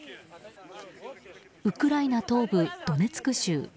ウクライナ東部ドネツク州。